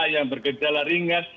yang bergejala ringan